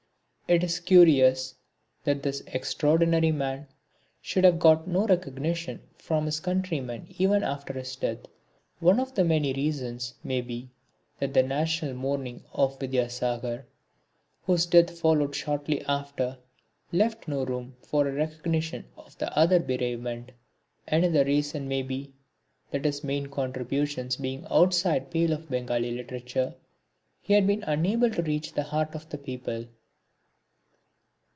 It is curious that this extraordinary man should have got no recognition from his countrymen even after his death. One of the reasons may be that the national mourning for Vidyasagar, whose death followed shortly after, left no room for a recognition of the other bereavement. Another reason may be that his main contributions being outside the pale of Bengali literature, he had been unable to reach the heart of the people.